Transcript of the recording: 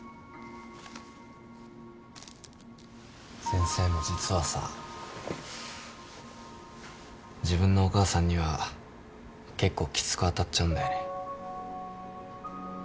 先生も実はさ自分のお母さんには結構きつく当たっちゃうんだよね。